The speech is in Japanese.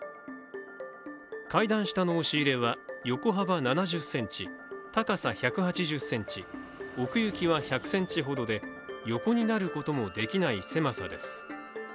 階段下の押し入れは、横幅７０ｃｍ、高さ１８０ｃｍ、奥行きは１００ｃｍほどで横になることもできない狭さです。